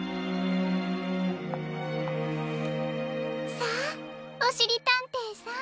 さあおしりたんていさん。